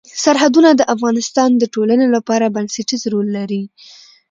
سرحدونه د افغانستان د ټولنې لپاره بنسټيز رول لري.